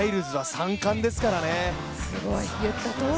すごい、言ったとおり。